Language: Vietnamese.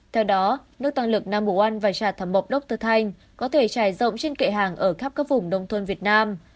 theo đó nước tăng lực nam bộ an và trà thảo mộc dr thanh có thể trải rộng trên kệ hàng ở khắp các vùng đông thôn việt nam